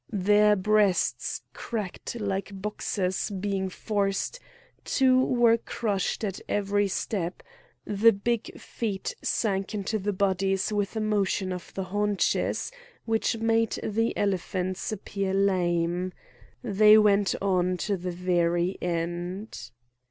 Their breasts cracked like boxes being forced; two were crushed at every step; the big feet sank into the bodies with a motion of the haunches which made the elephants appear lame. They went on to the very end.